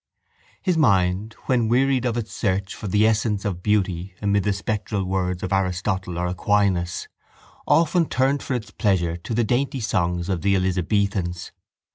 His mind when wearied of its search for the essence of beauty amid the spectral words of Aristotle or Aquinas turned often for its pleasure to the dainty songs of the Elizabethans.